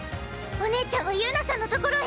お姉ちゃんは友奈さんのところへ。